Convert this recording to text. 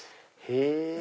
へぇ！